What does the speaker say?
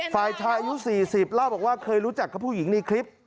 ฝ่ายชายอายุ๔๐เล่าบอกว่าเคยรู้จักกับผู้หญิงในคลิป